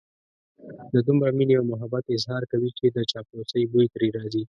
د دومره مينې او محبت اظهار کوي چې د چاپلوسۍ بوی ترې راځي.